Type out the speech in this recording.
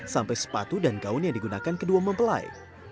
sampai sepatu dan gaun yang digunakan kedua mempelai